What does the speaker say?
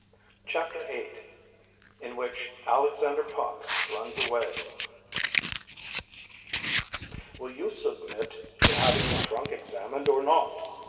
CHAPTER VIII IN WHICH ALEXANDER POP RUNS AWAY "Will you submit to having your trunk examined or not?"